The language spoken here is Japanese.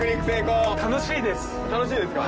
楽しいですか？